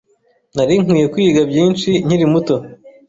Nari nkwiye kwiga byinshi nkiri muto.